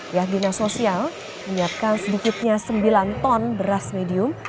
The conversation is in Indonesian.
pihak dinas sosial menyiapkan sedikitnya sembilan ton beras medium